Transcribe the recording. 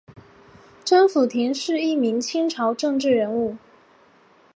甄辅廷是一名清朝政治人物。